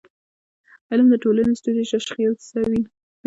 علم د ټولنې ستونزې تشخیصوي.